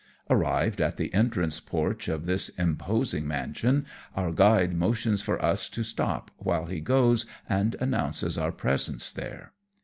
Arrived at the entrance porch of this imposing mansion, our guide motions for us to stop while he goes and announces our presence there.